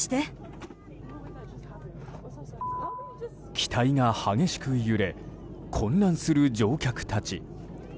機体が激しく揺れ混乱する乗客たち。